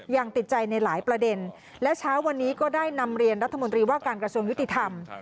ยังติดใจในหลายประเด็นและเช้าวันนี้ก็ได้นำเรียนรัฐมนตรีว่าการกระทรวงยุติธรรม